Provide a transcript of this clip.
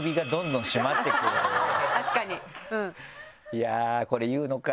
いやぁこれ言うのか。